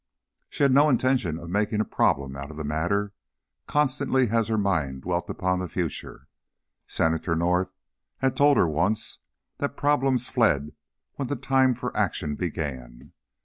She had no intention of making a problem out of the matter, constantly as her mind dwelt upon the future. Senator North had told her once that problems fled when the time for action began.